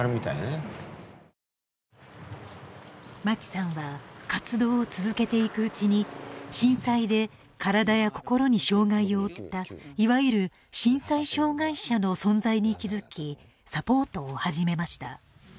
牧さんは、活動を続けていくうちに、震災で体や心に障害を負ったいわゆる震災障害者の存在に気付き、サポートを始めました。